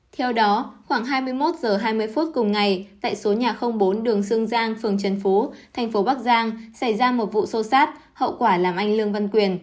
theo đó khoảng hai mươi một h hai mươi phút cùng ngày tại số nhà bốn đường sương giang phường trần phú thành phố bắc giang xảy ra một vụ xô xát hậu quả làm anh lương văn quyền